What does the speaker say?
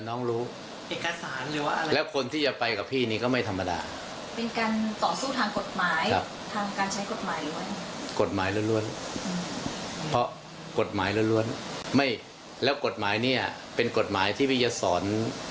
เนี่ยเป็นกฎหมายที่ผมจะสอน